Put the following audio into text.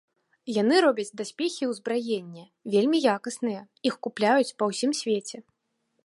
Яны робяць даспехі і ўзбраенне, вельмі якасныя, іх купляюць па ўсім свеце.